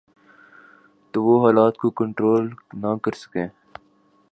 تو وہ حالات کو کنٹرول نہ کر سکیں۔